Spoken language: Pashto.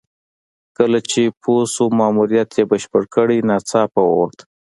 کله چې پوه شو ماموریت یې بشپړ کړی ناڅاپه ووت.